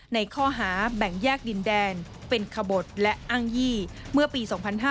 ในข้อหาแบ่งแยกดินแดนเป็นขบดและอ้างยี่เมื่อปี๒๕๕๙